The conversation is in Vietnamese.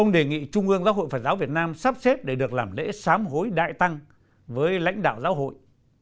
sư thích trúc thái minh đã sám hối đại tăng với lãnh đạo giáo hội